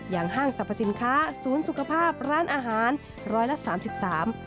อย่างห้างสรรพสินค้าศูนย์สุขภาพร้านอาหารร้อยละ๓๓